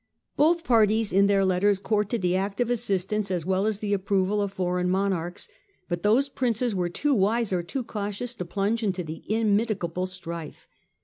Both parties in their letters courted the active assis tance as well as the approval of foreign monarchs ; but those Princes were too wise or too cautious to plunge into the immitigable strife.